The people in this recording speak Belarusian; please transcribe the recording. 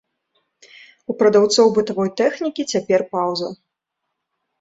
У прадаўцоў бытавой тэхнікі цяпер паўза.